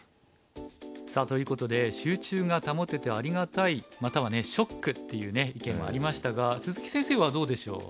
さあということで「集中が保ててありがたい」またはね「ショック」っていうね意見もありましたが鈴木先生はどうでしょう。